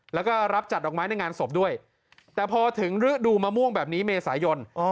แล้วก็รับจัดดอกไม้ในงานศพด้วยแต่พอถึงฤดูมะม่วงแบบนี้เมษายน